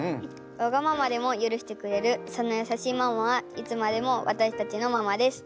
わがままでもゆるしてくれるそんなやさしいママはいつまでも私たちのママです。